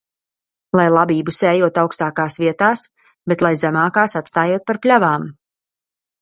Lai labību sējot augstākās vietās, bet lai zemākās atstājot par pļavām.